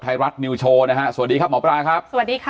สวัสดีครับสวัสดีครับ